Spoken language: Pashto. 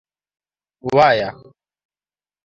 _وايه.